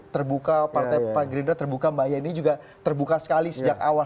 terbuka partai pan gerindra terbuka mbak yeni juga terbuka sekali sejak awal